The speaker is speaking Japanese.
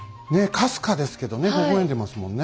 かすかですけどねほほ笑んでますもんね。